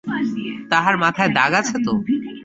তাহার মাথায় দাগ আছে তো?